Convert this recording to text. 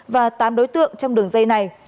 và tám đối tượng trong đường dây này